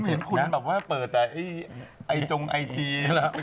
ผมเห็นคุณแบบว่าเปิดอายทรงไอที